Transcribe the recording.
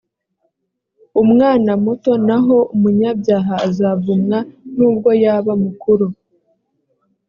umwana muto naho umunyabyaha azavumwa nubwo yaba mukuru